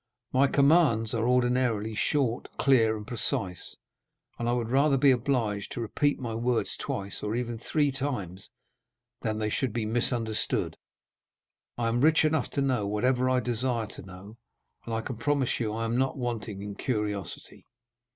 My commands are ordinarily short, clear, and precise; and I would rather be obliged to repeat my words twice, or even three times, than they should be misunderstood. I am rich enough to know whatever I desire to know, and I can promise you I am not wanting in curiosity.